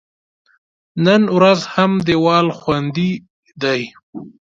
نن ورځ هم دیوال خوندي دی.